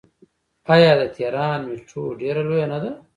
آیا د تهران میټرو ډیره لویه نه ده؟